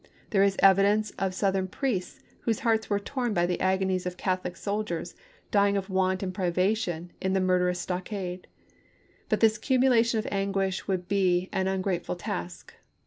There is the evidence of Southern priests whose PEISONEES OF WAE 471 hearts were torn by the agonies of Catholic soldiers, dying of want and privation in the murderous stockade. But this cumulation of anguish would be an ungrateful task.